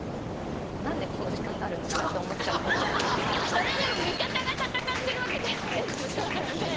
それでも味方が戦ってるわけですよね？